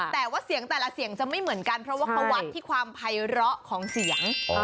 แต่ว่าเสียงแต่ละเสียงจะไม่เหมือนกันเพราะว่าเขาวัดที่ความภัยร้อของเสียง